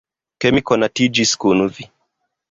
Ke mi konatiĝis kun vi.